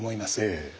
ええ。